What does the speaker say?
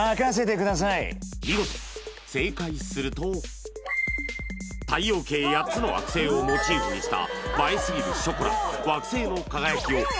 見事太陽系８つの惑星をモチーフにした